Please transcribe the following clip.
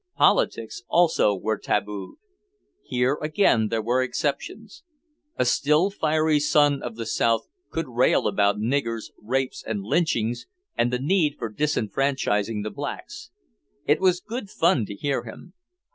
Politics also were tabooed. Here again there were exceptions. A still fiery son of the South could rail about niggers, rapes and lynchings and the need for disenfranchising the blacks. It was good fun to hear him.